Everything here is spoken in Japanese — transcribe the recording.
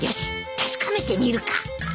確かめてみるか